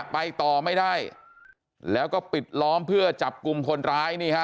ไปต่อไม่ได้แล้วก็ปิดล้อมเพื่อจับกลุ่มคนร้ายนี่ฮะ